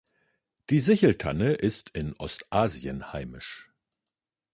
Die Sicheltanne ist in Ostasien heimisch.